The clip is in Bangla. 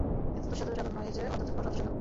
এ তো দুঃসাধ্য সাধন নয়, এ যে অসাধ্য সাধন।